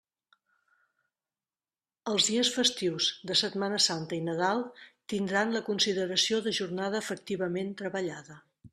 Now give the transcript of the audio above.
Els dies festius de Setmana Santa i Nadal tindran, la consideració de jornada efectivament treballada.